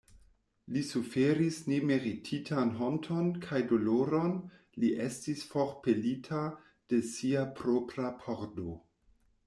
Li suferis nemerititan honton kaj doloron, li estis forpelita de sia propra pordo.